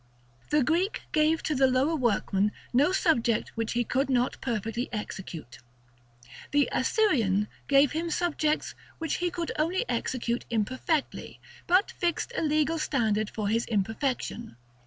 The Greek gave to the lower workman no subject which he could not perfectly execute. The Assyrian gave him subjects which he could only execute imperfectly, but fixed a legal standard for his imperfection.